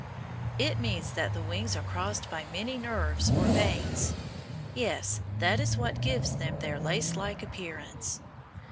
It means that the wings are crossed by many nerves or veins. Yes, that is what gives them their lacelike appearance.